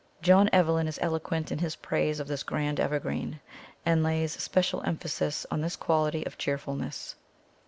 John Evelyn is eloquent in his praise of this grand evergreen, and lays special emphasis on this quality of cheerfulness.